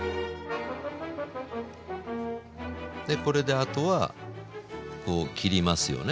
これであとはこう切りますよね。